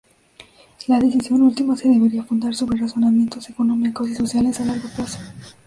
La decisión última se debería fundar sobre razonamientos económicos y sociales a largo plazo.